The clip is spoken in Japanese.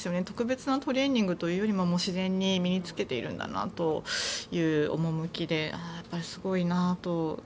特別なトレーニングというよりも自然に身に着けているんだなという趣で、すごいなと。